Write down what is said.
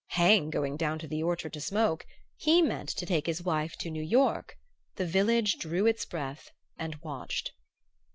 Hang going down to the orchard to smoke! He meant to take his wife to New York. The village drew its breath and watched.